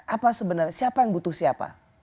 apa sebenarnya siapa yang butuh siapa